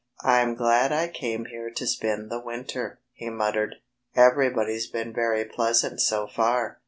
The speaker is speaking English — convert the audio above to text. "I'm glad I came here to spend the winter," he muttered. "Everybody's been very pleasant so far.